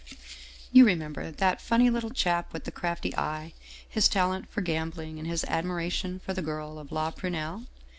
" You remember that funny little chap with the crafty eye, his talent for gambling, and his admiration for the girl of ' La Prunelle